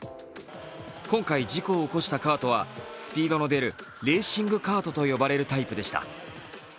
今回、事故を起こしたカートはスピードの出るレーシングカートと呼ばれるタイプでした。